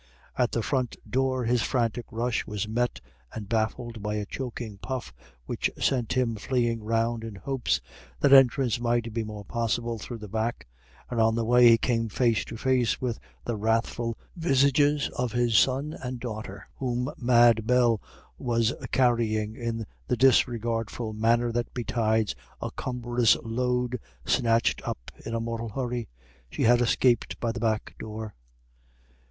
At the front door his frantic rush was met and baffled by a choking puff, which sent him fleeing round in hopes that entrance might be more possible through the back; and on the way he came face to face with the wrathful visages of his son and daughter, whom Mad Bell was carrying in the disregardful manner that betides a cumbrous load snatched up in a mortal hurry. She had escaped by the back door.